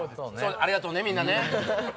ありがとうねみんなね。